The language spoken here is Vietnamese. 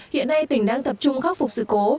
hiện nay tỉnh đang tập trung khắc phục sự cố